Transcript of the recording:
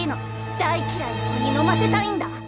大きらいな子に飲ませたいんだ。